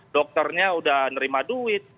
dokternya udah nerima duit